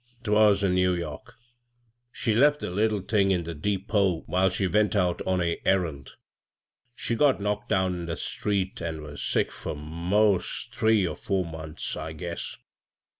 'Twas in New York. She left the 64 b, Google CROSS CURRENTS OOle thing in the depot while she went out on a errand. She got knocked down in the street, an' was sick fur mos' three or four months, I guess.